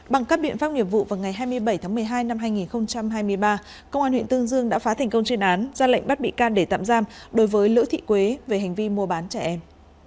bằng các biện pháp nghiệp vụ vào ngày hai mươi bảy tháng một mươi hai năm hai nghìn hai mươi ba công an huyện tương dương đã phá thành công chuyên án ra lệnh bắt bị can để tạm giam đối với lữ thị quế về hành vi mua bán trẻ em